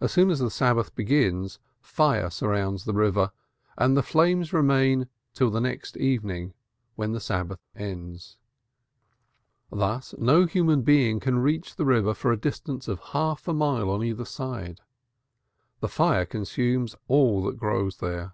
As soon as the Sabbath begins fire surrounds the river and the flames remain till the next evening, when the Sabbath ends. Thus no human being can reach the river for a distance of half a mile on either side; the fire consumes all that grows there.